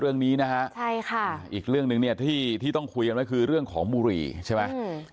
เรื่องนี้นะฮะใช่ค่ะอีกเรื่องหนึ่งเนี่ยที่ที่ต้องคุยกันไว้คือเรื่องของบุหรี่ใช่ไหม